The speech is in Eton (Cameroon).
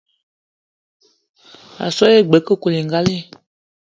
A so gne g-beu nye koukouningali.